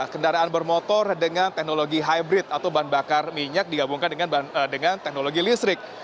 kendaraan bermotor dengan teknologi hybrid atau bahan bakar minyak digabungkan dengan teknologi listrik